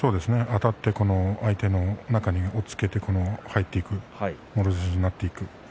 あたって、相手の中に押っつけて入っていくもろ差しになっていく。